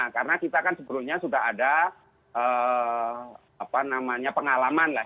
karena kita kan sebelumnya sudah ada apa namanya pengalaman lah